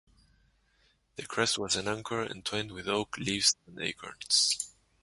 The crest was an anchor entwined with oak leaves and acorns.